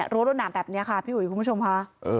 รวดหนามแบบนี้ค่ะพี่อุ๋ยคุณผู้ชมค่ะ